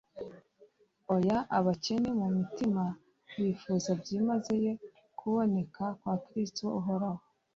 oya; abakene mu mutima, bifuza byimazeyo kuboneka kwa kristo uhoraho,